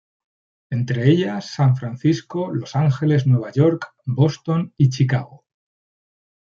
Entre ellas San Francisco, Los Ángeles, Nueva York, Boston, y Chicago.